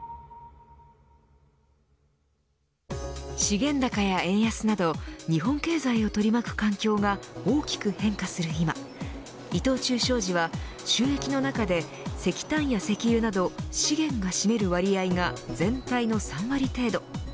資源高や円安など日本経済を取り巻く環境が大きく変化する今伊藤忠商事は収益の中で石炭や石油など資源が占める割合が全体の３割程度。